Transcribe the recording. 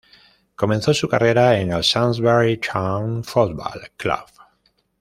Comenzó su carrera en el Shrewsbury Town Football Club.